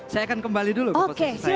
saya akan kembali dulu ke proses saya ya